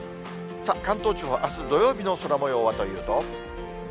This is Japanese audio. さあ、関東地方のあす土曜日の空もようはというと。